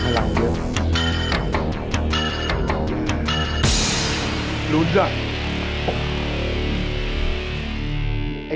ทำเอาคุณเลียงและคุณเพชรเนี่ย